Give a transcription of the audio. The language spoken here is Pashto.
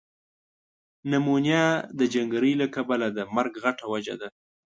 نمونیا ده جنګری له کبله ده مرګ غټه وجه ده۔